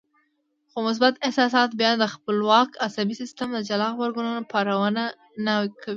خو مثبت احساسات بيا د خپلواک عصبي سيستم د جلا غبرګونونو پارونه نه کوي.